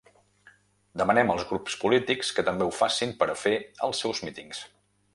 Demanem als grups polítics que també ho facin per a fer els seus mítings.